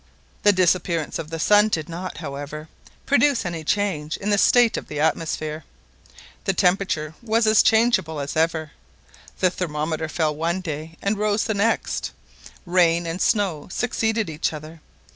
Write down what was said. The disappearance of the sun did not, however, produce any change in the state of the atmosphere. The temperature was as changeable as ever. The thermometer fell one day and rose the next. Rain and snow succeeded each other.